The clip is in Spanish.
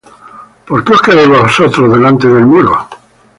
¿Por qué os quedáis vosotros delante del muro?